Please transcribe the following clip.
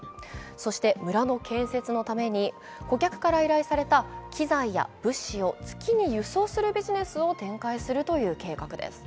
そして、村の建設のために顧客から依頼された機材や物資を月に輸送するビジネスを展開するという計画です。